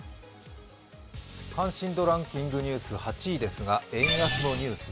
関心度ランキングニュース、８位ですが円安のニュース。